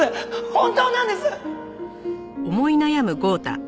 本当なんです！